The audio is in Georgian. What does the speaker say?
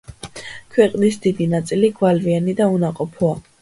ქვეყნის დიდი ნაწილი გვალვიანი და უნაყოფოა.